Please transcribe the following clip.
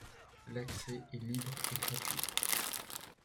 L’accès est libre et gratuit.